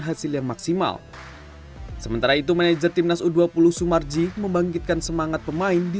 hasil yang maksimal sementara itu manajer timnas u dua puluh sumarji membangkitkan semangat pemain di